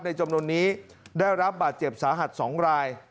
จำนวนนี้ได้รับบาดเจ็บสาหัส๒ราย